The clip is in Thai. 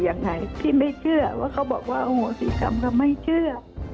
ยังไงพี่ไม่เชื่อว่าเขาบอกว่าโหสิกรรมเขาไม่เชื่อ